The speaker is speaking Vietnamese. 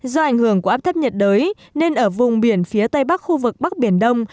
do ảnh hưởng của áp thấp nhiệt đới nên ở vùng biển phía tây bắc khu vực bắc biển đông